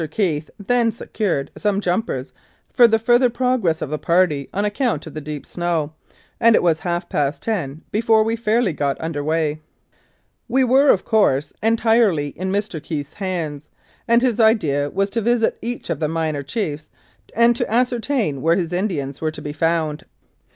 Keith then secured some "jumpers" for the further progress of the party on account of the deep snow, and it was half past ten before we got fairly under way. We were, of course, entirely in Mr. Keith's hands, and his idea was to visit each of the minor chiefs and to ascer tain where his Indians were to be found.